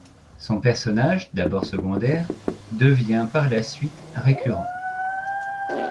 Son personnage, d'abord secondaire, devient par la suite récurrent.